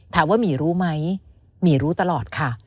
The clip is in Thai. ถามว่าหมี่รู้ไหมหมี่รู้ตลอดค่ะ